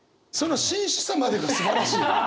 その真摯さまでがすばらしい。